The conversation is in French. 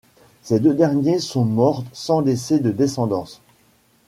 Ces deux derniers sont morts sans laisser de descendance.